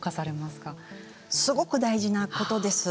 すごく大事なことです。